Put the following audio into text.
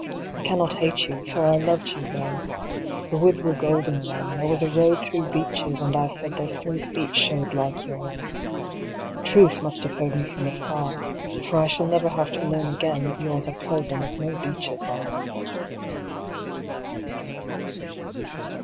I cannot hate you, for I loved you then. The woods were golden then. There was a road Through beeches; and I said their smooth feet showed Like yours. Truth must have heard me from afar, For I shall never have to learn again That yours are cloven as no beech's are.